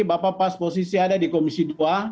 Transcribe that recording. bapak pas posisi ada di komisi dua